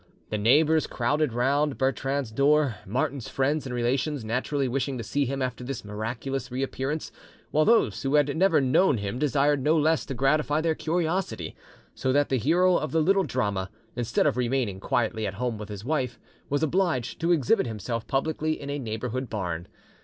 The neighbours crowded round Bertrande's door, Martin's friends and relations naturally wishing to see him after this miraculous reappearance, while those who had never known him desired no less to gratify their curiosity; so that the hero of the little drama, instead of remaining quietly at home with his wife, was obliged to exhibit himself publicly in a neighbouring barn.